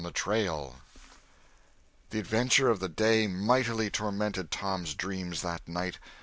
CHAPTER XXVII THE adventure of the day mightily tormented Tom's dreams that night.